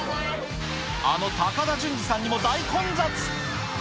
あの高田純次さんにも大混雑。